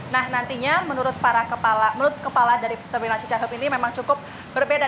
nah nantinya menurut kepala dari terminal cicatam ini memang cukup berbeda